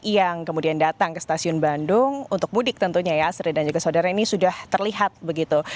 yang kemudian datang ke stasiun bandung untuk mudik tentunya ya asri dan juga saudara ini sudah terlihat begitu